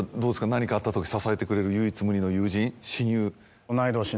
何かあった時支えてくれる唯一無二の友人親友。